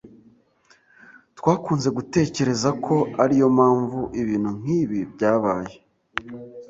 Twakunze gutekereza ko ariyo mpamvu ibintu nkibi byabaye.